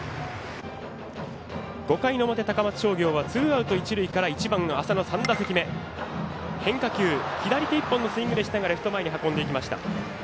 ５回の表、高松商業はツーアウト、一塁から１番、浅野、３打席目変化球、左手１本のスイングでしたがレフト方向にもっていきました。